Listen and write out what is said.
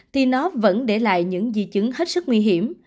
thì nó vẫn để lại những di chứng hết sức nguy hiểm